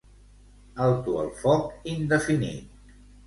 Alto el foc indefinit.